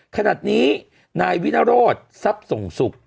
ขณะนี้นายวินโรธทรัพย์ส่งสุข